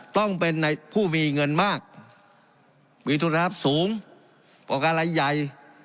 ต้องเป็นในผู้มีเงินมากมีทุนทรัพย์สูงประการรายใหญ่